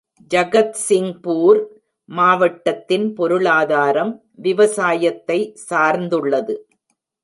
ஜகத்சிங்பூர் மாவட்டத்தின் பொருளாதாரம் விவசாயத்தை சார்ந்துள்ளது.